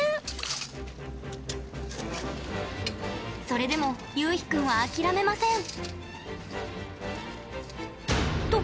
それでもゆうひ君は諦めません。